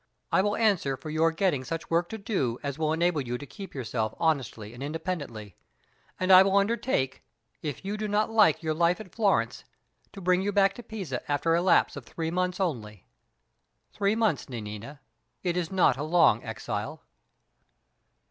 I will answer for your getting such work to do as will enable you to keep yourself honestly and independently; and I will undertake, if you do not like your life at Florence, to bring you back to Pisa after a lapse of three months only. Three months, Nanina. It is not a long exile."